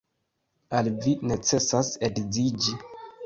Al vi necesas edziĝi.